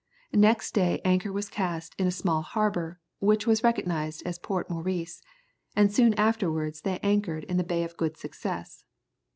Next day anchor was cast in a small harbour, which was recognized as Port Maurice, and soon afterwards they anchored in the Bay of Good Success.